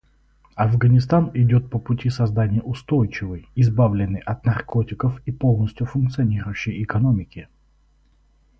Афганистан идет по пути создания устойчивой, избавленной от наркотиков и полностью функционирующей экономики.